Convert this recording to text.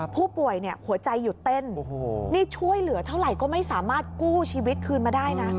ผู้ป่วยเนี่ยหัวใจหยุดเต้นนี่ช่วยเหลือเท่าไหร่ก็ไม่สามารถกู้ชีวิตคืนมาได้นะ